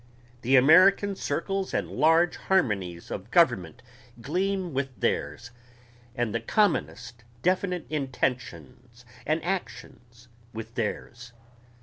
the American circles and large harmonies of government gleam with theirs ... and the commonest definite intentions and actions with theirs.